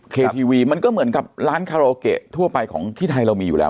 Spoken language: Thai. ครับมันก็เหมือนกับร้านทั่วไปของที่ไทยเรามีอยู่แล้ว